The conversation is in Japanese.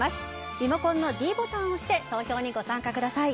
リモコンのｄボタンを押して投票にご参加ください。